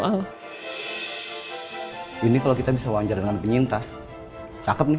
wah ini kalau kita bisa wawancara dengan penyintas cakep nih